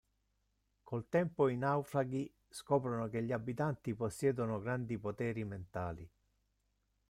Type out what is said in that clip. Col tempo i naufraghi scoprono che gli abitanti, possiedono grandi poteri mentali.